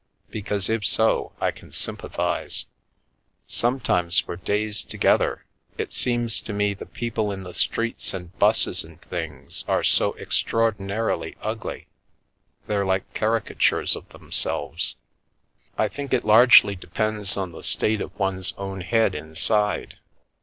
"Because if so, I can sympathise. Sometimes, for days together, it seems to me the people in the streets and Tbuses and things are so extraordinarily ugly they're like carica c . Some Talk and a New Toy tures of themselves! I think it largely depends on the state of one's own head inside.